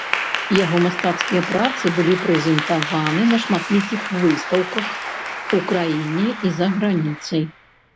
Яго мастацкія працы былі прэзентаваны на шматлікіх выстаўках у краіне і за граніцай.